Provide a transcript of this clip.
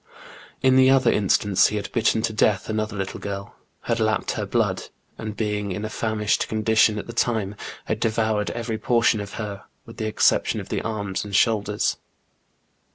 In the other instance he had bitten to death another little girl, had lapped her blood, and, being in a famished condition JEAN GRENIER. 91 at the time, had devoured every portion of her, with the exception of the arms and shoulders.